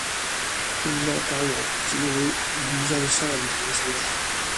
填鴨教育只會衍生三種小孩